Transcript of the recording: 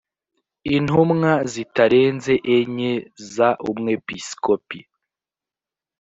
intumwa zitarenze enye z umwepiskopi